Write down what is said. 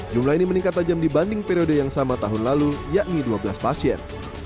jumlah ini meningkat tajam dibanding periode yang sama tahun lalu yakni dua belas pasien